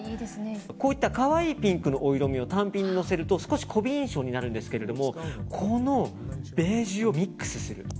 こういった可愛いピンクのお色味を単品でのせると少し媚び印象になるんですけどこのベージュをミックスする。